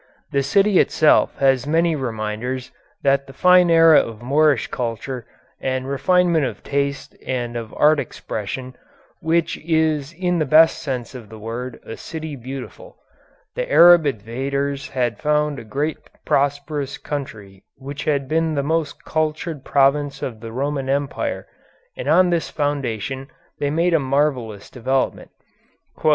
The city itself has many reminders of that fine era of Moorish culture and refinement of taste and of art expression, which made it in the best sense of the word a city beautiful. The Arab invaders had found a great prosperous country which had been the most cultured province of the Roman Empire, and on this foundation they made a marvellous development.